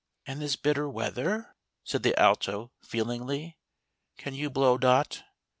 "And this bitter weather!" said the Alto, feelingly. " Can you blow. Dot